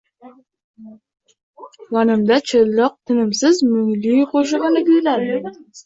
Yonimda chirildoq tinimsiz mungli qo’shig’ini kuylaydi